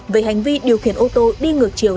về hành vi điều khiển ô tô đi ngược chiều